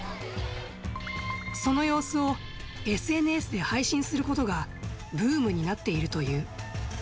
その様子をＳＮＳで配信することが、ブームになっているという。